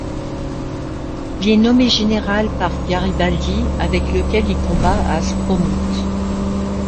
Il est nommé général par Garibaldi, avec lequel il combat à Aspromonte.